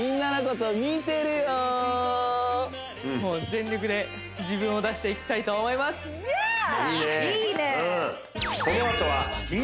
全力で自分を出していきたいと思いますイエーイ！